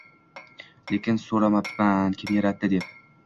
Lekin so‘ramabman: “Kim yaratdi?!” – deb.